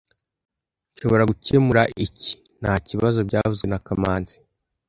Nshobora gukemura iki, ntakibazo byavuzwe na kamanzi